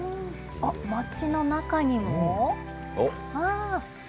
あっ、町の中にも？